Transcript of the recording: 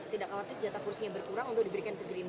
tidak khawatir jatah kursinya berkurang untuk diberikan ke gerindra